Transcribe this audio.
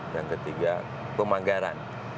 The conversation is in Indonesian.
yang ketiga pemanggaran